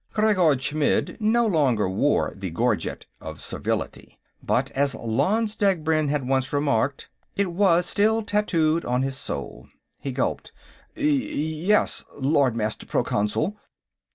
Khreggor Chmidd no longer wore the gorget of servility, but, as Lanze Degbrend had once remarked, it was still tattooed on his soul. He gulped. "Y yes, Lord Master Proconsul!"